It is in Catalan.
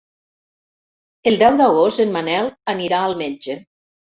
El deu d'agost en Manel anirà al metge.